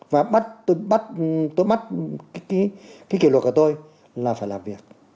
và bắt tôi bắt tôi bắt cái kỷ luật của tôi là phải làm việc